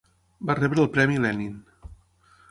Va rebre el Premi Lenin.